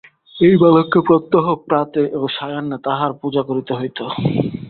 এই বালককে প্রত্যহ প্রাতে ও সায়াহ্নে তাঁহার পূজা করিতে হইত।